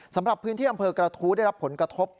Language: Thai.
สำหรับพื้นที่อำเภอกระทู้ได้รับผลกระทบ